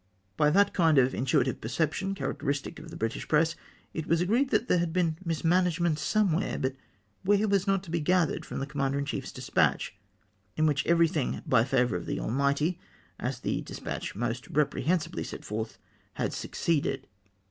By that kind of intuitive perception characteristic of the British press, it was agreed that there had been mis management somewhere, but ivhere was not to be gathered from the commander in cliief's despatch, in wliich everythmg " by favour of the Almighty," * as the 'despatch most reprehensibly set forth, had suc ceeded.